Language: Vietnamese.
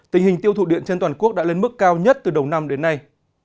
tình hình tiêu thụ điện trên toàn quốc đã lên mức cao nhất từ đầu năm đến nay